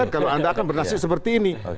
kalau anda akan bernasib seperti ini